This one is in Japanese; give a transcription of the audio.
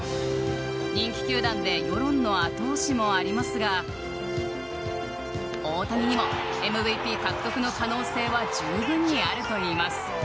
人気球団で世論の後押しもありますが大谷にもＭＶＰ獲得の可能性はじゅうぶんにあるといいます。